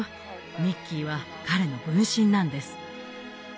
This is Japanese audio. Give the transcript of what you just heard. ミッキーは彼の分身なんです。